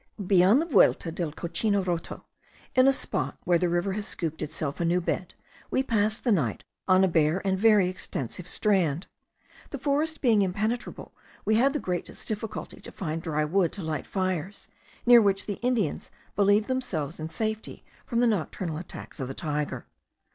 Beyond the Vuelta del Cochino Roto, in a spot where the river has scooped itself a new bed, we passed the night on a bare and very extensive strand. The forest being impenetrable, we had the greatest difficulty to find dry wood to light fires, near which the Indians believe themselves in safety from the nocturnal attacks of the tiger.